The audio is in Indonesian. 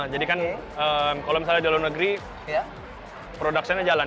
jadi kan kalau misalnya di luar negeri production nya jalan